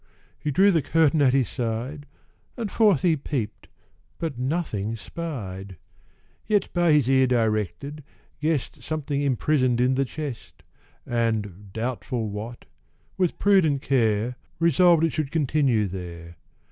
He drew the curtain at his side, And forth he peep'd, but nothing spied. Yet, by his ear directed, guess'd Something imprison'd in the chest, And, doubtful what, with prudent care Resolved it should continue there.